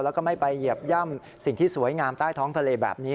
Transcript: แล้วก็ไม่ไปเหยียบย่ำสิ่งที่สวยงามใต้ท้องทะเลแบบนี้